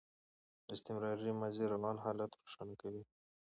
استمراري ماضي روان حالت روښانه کوي.